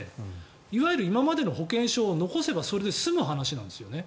いわゆる今までの保険証を残せばそれで済む話なんですよね。